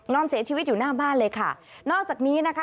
นอนเสียชีวิตอยู่หน้าบ้านเลยค่ะนอกจากนี้นะคะ